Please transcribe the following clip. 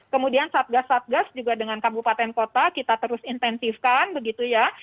kemudian satgas satgas juga dengan kabupaten kota kita terus intensifkan begitu ya